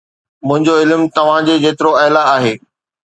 منهنجو علم توهان جي جيترو اعليٰ آهي